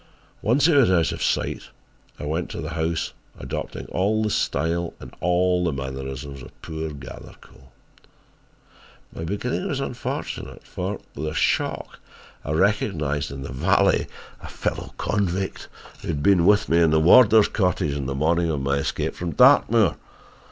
"Once he was out of sight I went to the house adopting all the style and all the mannerisms of poor Gathercole. My beginning was unfortunate for, with a shock, I recognised in the valet a fellow convict who had been with me in the warder's cottage on the morning of my escape from Dartmoor.